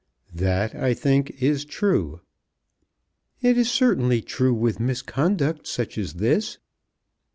"That, I think, is true." "It is certainly true, with misconduct such as this."